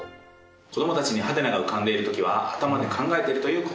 子供たちにハテナが浮かんでいるときは頭で考えているということです。